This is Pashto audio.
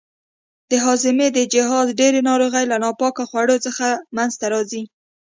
د هاضمې د جهاز ډېرې ناروغۍ له ناپاکو خوړو څخه منځته راځي.